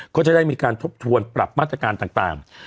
ก็จะได้มีการทบทวนปรับมาตรการต่าง